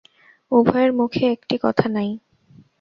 উভয়ের মুখে একটি কথা নাই।